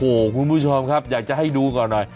โอ้โหคุณผู้ชมครับอยากจะให้ดูก่อนหน่อย